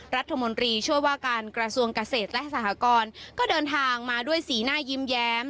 รัฐมนตรีช่วยว่าการกระทรวงเกษตรและสหกรก็เดินทางมาด้วยสีหน้ายิ้มแย้ม